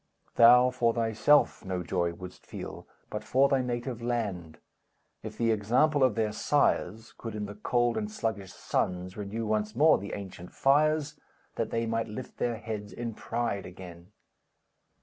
Thou for thyself no joy wouldst feel, But for thy native land, If the example of their sires Could in the cold and sluggish sons Renew once more the ancient fires, That they might lift their heads in pride again.